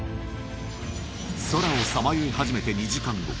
空をさまよい始めて２時間後。